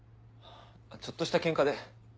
ちょっとしたケンカで。